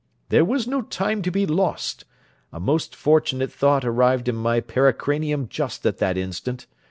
There was no time to be lost. A most fortunate thought arrived in my pericranium just at that instant.